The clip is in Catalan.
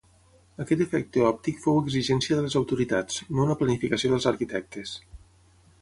Aquest efecte òptic fou exigència de les autoritats, no una planificació dels arquitectes.